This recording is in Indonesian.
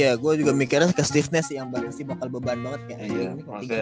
ya gue juga mikirnya ke stiffness yang pasti bakal beban banget kayaknya